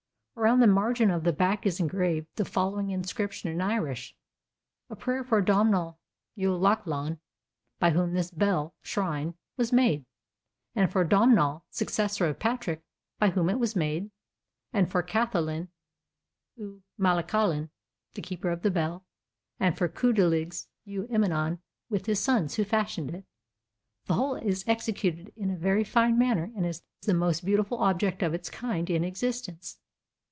Around the margin of the back is engraved the following inscription in Irish: "A prayer for Domnall Ua Lachlainn, by whom this bell [shrine] was made, and for Domnall, successor of Patrick, by whom it was made, and for Cathalan Ua Maelchallann, the keeper of the bell, and for Cudulig Ua Inmainen with his sons, who fashioned it." The whole is executed in a very fine manner and is the most beautiful object of its kind in existence.